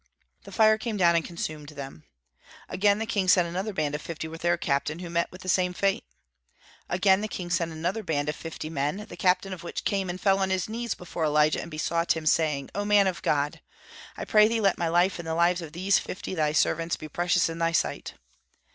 The fire came down and consumed them. Again the king sent another band of fifty with their captain, who met with the same fate. Again the king sent another band of fifty men, the captain of which came and fell on his knees before Elijah and besought him, saying, "O man of God! I pray thee let my life and the lives of these fifty thy servants be precious in thy sight."